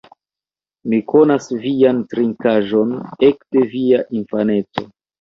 Mi konas vian trinkaĵon ekde via infaneco